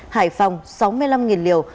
hải phòng sáu mươi năm liều